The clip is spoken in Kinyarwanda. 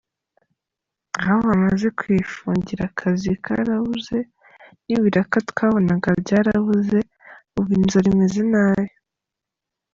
Aho bamaze kuyifungira akazi karabuze n’ibiraka twabonaga byarabuze, ubu inzara imeze nabi.